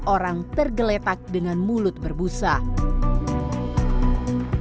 seorang anak yang dijemput oleh suaminya adalah anak yang berumur lima belas tahun